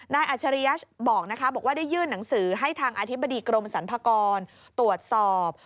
อัชริยะบอกนะคะบอกว่าได้ยื่นหนังสือให้ทางอธิบดีกรมสรรพากรตรวจสอบ